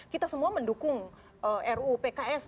kita semua mendukung rupks